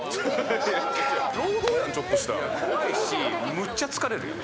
むっちゃ疲れるやん。